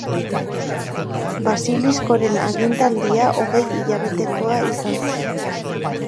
Basiliskoren agintaldia hogei hilabetekoa izan zen.